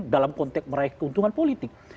dalam konteks meraih keuntungan politik